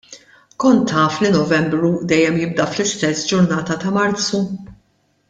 Kont taf li Novembru dejjem jibda fl-istess ġurnata ta' Marzu?